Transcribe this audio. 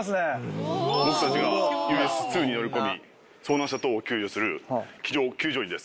僕たちがＵＳ−２に乗り込み遭難者等を救助する機上救助員です。